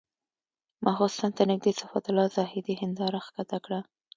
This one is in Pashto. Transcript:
ماخستن ته نږدې صفت الله زاهدي هنداره ښکته کړه.